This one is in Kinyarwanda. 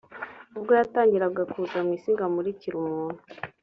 bwo yatangiraga kuza mu isi ngo amurikire umuntu